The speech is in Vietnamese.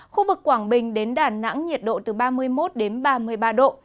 khu vực quảng bình đến đà nẵng nhiệt độ từ ba mươi một đến ba mươi ba độ